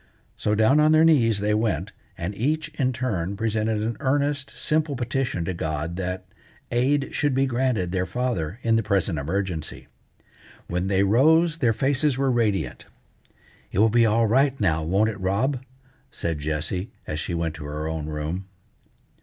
So down on their knees they went, and each in turn presented an earnest, simple petition to God that aid should be granted their father in the present emergency. When they rose their faces were radiant. "It will be all right now, won't it, Rob?" said Jessie, as she went to her own room.